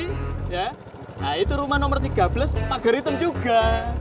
nah itu rumah nomor tiga belas pageritem juga